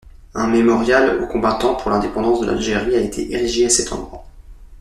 Un mémorial aux combattants pour l'indépendance de l'Algérie a été érigé à cet endroit.